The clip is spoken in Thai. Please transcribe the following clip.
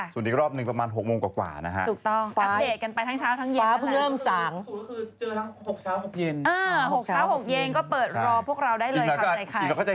ส่วนอีกรอบหนึ่งประมาณ๖โมงกว่านะฮะ